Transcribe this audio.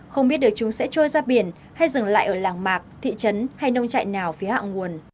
không biết được chúng sẽ trôi ra biển hay dừng lại ở làng mạc thị trấn hay nông trại nào phía hạ nguồn